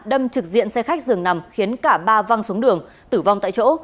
đâm trực diện xe khách dường nằm khiến cả ba văng xuống đường tử vong tại chỗ